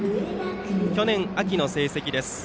去年秋の成績です。